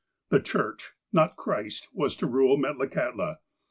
'' The Church," not Christ, was to rule Metlakahtla.